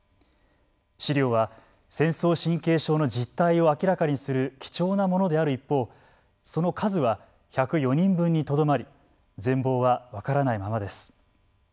資料は、戦争神経症の実態を明らかにする貴重なものである一方その数は１０４人分にとどまり全貌は分からないままです。